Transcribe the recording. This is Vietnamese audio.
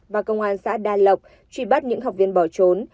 và công an xã đa lộc truy bắt những học viên bỏ trốn